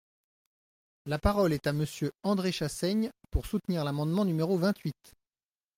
La parole est à Monsieur André Chassaigne, pour soutenir l’amendement numéro vingt-huit.